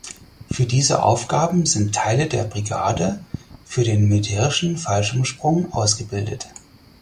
Für diese Aufgaben sind Teile der Brigade für den militärischen Fallschirmsprung ausgebildet.